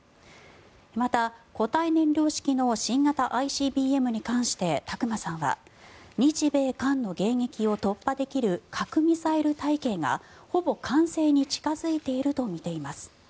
また、固体燃料式の新型ＩＣＢＭに関して琢磨さんは琢磨さんは日米韓の迎撃を突破できる核・ミサイル体系がほぼ完成に近付いているとみています。